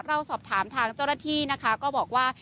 เราสอบถามทางเจ้าหน้าที่นะคะก็บอกว่า